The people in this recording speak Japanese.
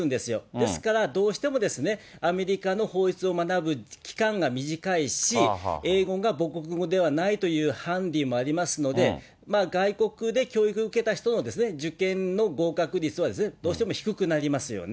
ですから、どうしてもですね、アメリカの法律を学ぶ期間が短いし、英語が母国語ではないというハンディもありますので、外国で教育受けた人の受験の合格率は、どうしても低くなりますよね。